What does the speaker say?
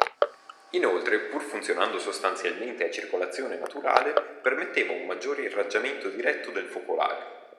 Inoltre pur funzionando sostanzialmente a circolazione naturale, permetteva un maggiore irraggiamento diretto del focolare.